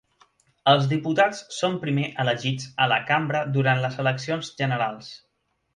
Els diputats són primer elegits a la Cambra durant les eleccions generals.